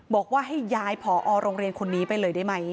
บอกว่าให้ย้ายผอโรงเรียนคนนี้ไปเลยได้ไหม